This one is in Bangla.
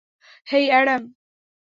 হেই, অ্যাডাম।